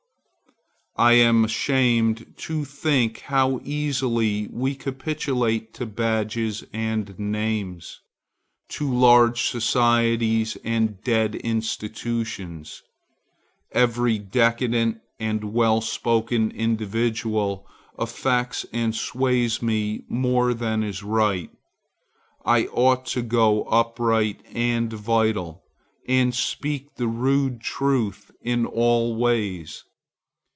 I am ashamed to think how easily we capitulate to badges and names, to large societies and dead institutions. Every decent and well spoken individual affects and sways me more than is right. I ought to go upright and vital, and speak the rude truth in all ways.